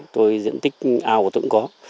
tôi diện tích ao của tôi cũng có